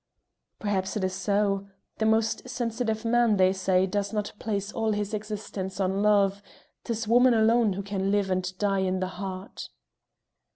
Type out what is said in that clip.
"Perhaps 'tis so. The most sensitive man, they say, does not place all his existence on love; 'tis woman alone who can live and die in the heart."